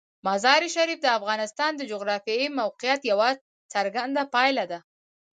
مزارشریف د افغانستان د جغرافیایي موقیعت یوه څرګنده پایله ده.